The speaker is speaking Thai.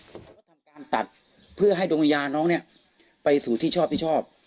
ผมก็ทำการตัดเพื่อให้ดวงวิญญาณน้องเนี่ยไปสู่ที่ชอบที่ชอบ